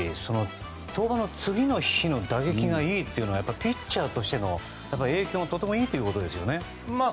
登板の次の日の打撃がいいというのはピッチャーとしての影響がとてもいいということですよね。